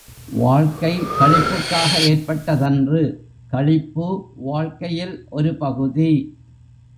வாழ்க்கை, களிப்புக்காக ஏற்பட்டதன்று களிப்பு, வாழ்க்கையில் ஒரு பகுதி.